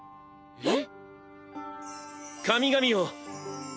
えっ？